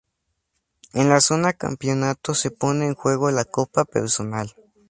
En la zona campeonato se pone en juego la Copa Personal.